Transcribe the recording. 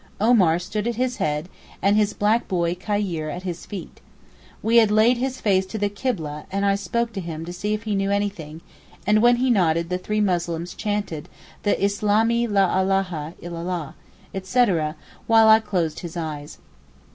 Omar stood at his head and his black boy Khayr at his feet. We had laid his face to the Kibleh and I spoke to him to see if he knew anything and when he nodded the three Muslims chanted the Islamee La Illáhá, etc., etc., while I closed his eyes.